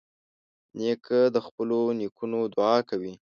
نیکه د خپلو نیکونو دعا کوي.